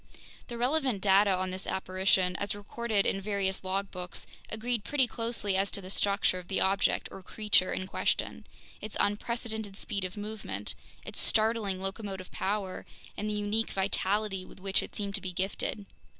The relevant data on this apparition, as recorded in various logbooks, agreed pretty closely as to the structure of the object or creature in question, its unprecedented speed of movement, its startling locomotive power, and the unique vitality with which it seemed to be gifted.